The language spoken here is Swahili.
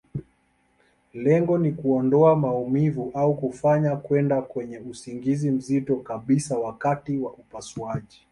Lengo ni kuondoa maumivu, au kufanya kwenda kwenye usingizi mzito kabisa wakati wa upasuaji.